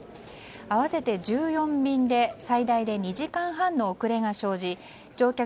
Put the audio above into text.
合わせて１４便で最大で２時間半の遅れが生じ乗客